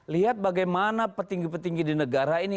lihat bagaimana petinggi petinggi di negara ini